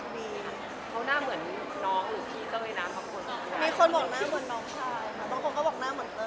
มีคนบอกหน้าเหมือนน้องใช่แต่บางคนก็บอกหน้าเหมือนเกิน